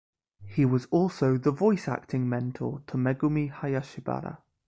He was also the voice acting mentor to Megumi Hayashibara.